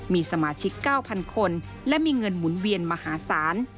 มีสมาชิก๙๐๐คนและมีเงินหมุนเวียนมหาศาล